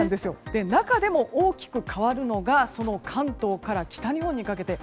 中でも大きく変わるのが関東から北日本にかけて。